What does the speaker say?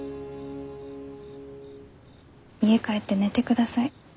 家帰って寝てください。